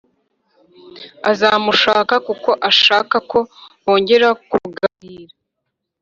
azamushaka kuko ashaka ko bongera kuganira,